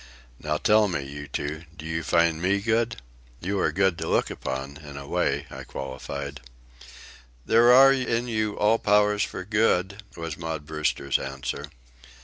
Now, tell me, you two, do you find me good?" "You are good to look upon—in a way," I qualified. "There are in you all powers for good," was Maud Brewster's answer.